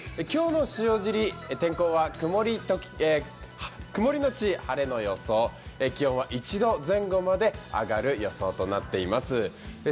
今日の塩尻、天候は曇りのち晴れの予想、気温は１度前後まで上がる予想となっています。